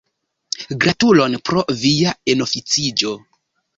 Gratulon pro via enoficiĝo.